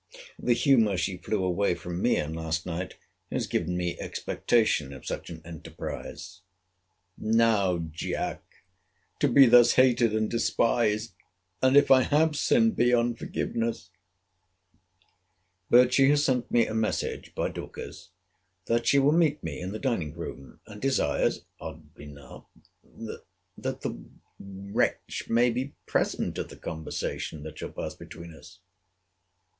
The humour she flew away from me in last night has given me expectation of such an enterprize. Now, Jack, to be thus hated and despised!—And if I have sinned beyond forgiveness—— But she has sent me a message by Dorcas, that she will meet me in the dining room; and desires [odd enough] that the wretch may be present at the conversation that shall pass between us.